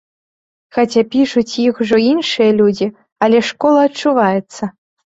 Хаця пішуць іх ужо іншыя людзі, але школа адчуваецца.